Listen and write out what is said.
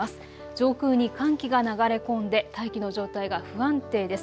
上空に寒気が流れ込んで大気の状態が不安定です。